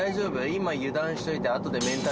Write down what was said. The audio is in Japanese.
今、油断しといて、出た。